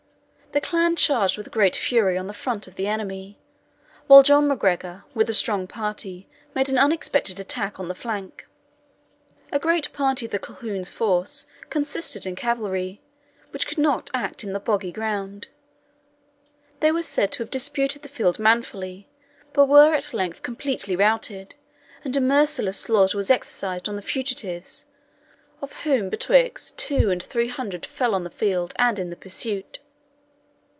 The clan charged with great fury on the front of the enemy, while John MacGregor, with a strong party, made an unexpected attack on the flank. A great part of the Colquhouns' force consisted in cavalry, which could not act in the boggy ground. They were said to have disputed the field manfully, but were at length completely routed, and a merciless slaughter was exercised on the fugitives, of whom betwixt two and three hundred fell on the field and in the pursuit.